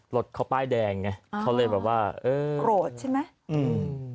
รถเขาป้ายแดงไงเขาเลยแบบว่าเออโกรธใช่ไหมอืม